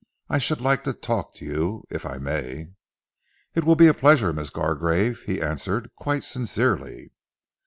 I should like to talk to you if I may." "It will be a pleasure, Miss Gargrave," he answered quite sincerely.